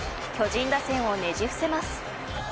巨人打線をねじ伏せます。